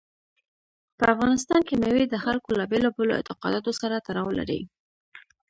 په افغانستان کې مېوې د خلکو له بېلابېلو اعتقاداتو سره تړاو لري.